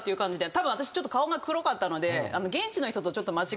たぶん私ちょっと顔が黒かったので。